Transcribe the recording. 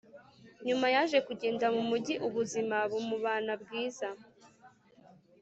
nyuma yaje kugenda mu mugi ubuzima bumubana bwiza